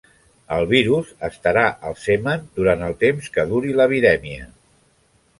El virus estarà al semen durant el temps que duri la virèmia.